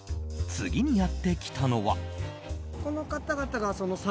次にやってきたのは。